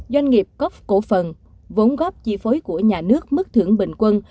doanh nghiệp coff cổ phần vốn góp chỉ phối của nhà nước mức thưởng bình quân